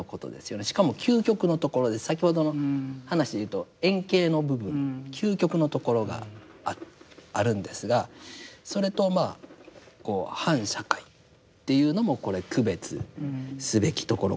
しかも究極のところで先ほどの話で言うと遠景の部分究極のところがあるんですがそれとまあこう反社会っていうのもこれ区別すべきところかなというふうに思います。